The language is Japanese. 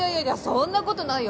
そんなことないよ